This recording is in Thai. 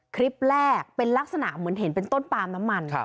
คลิปแรกเป็นลักษณะเหมือนเห็นเป็นต้นปาล์มน้ำมัน